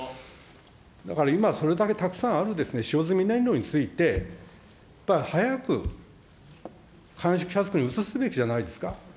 だから、今、それだけたくさんある使用済み燃料について、やっぱり早く乾式キャスクに移すべきじゃないですか。